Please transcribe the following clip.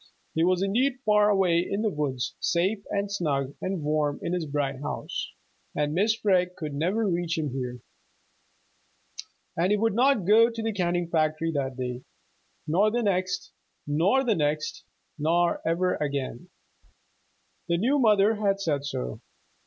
He was indeed far away in the woods, safe and snug and warm in this bright house, and Mrs. Freg could never reach him here. And he would not go to the canning factory that day, nor the next, nor the next, nor ever again. The new mother had said so.